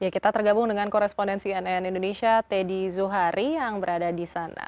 kita tergabung dengan korespondensi nn indonesia teddy zuhari yang berada di sana